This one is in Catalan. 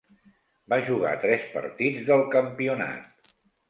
Va jugar tres partits del campionat.